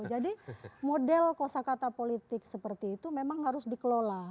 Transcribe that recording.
jadi model kosa kata politik seperti itu memang harus dikelola